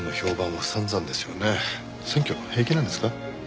選挙平気なんですか？